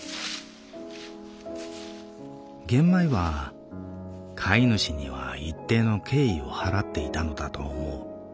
「ゲンマイは飼い主には一定の敬意を払っていたのだと思う」。